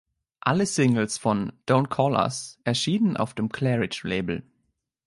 Alle Singles von „Don't Call Us...“ erschienen auf dem Claridge-Label.